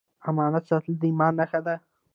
امانت ساتل د ایمان نښه ده